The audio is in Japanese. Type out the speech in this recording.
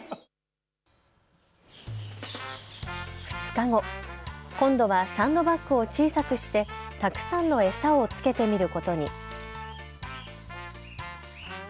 ２日後、今度はサンドバッグを小さくして、たくさんの餌をつけてみることに。